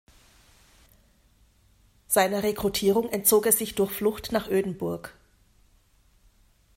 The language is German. Seiner Rekrutierung entzog er sich durch Flucht nach Ödenburg.